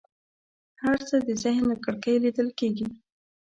هر څه د ذهن له کړکۍ لیدل کېږي.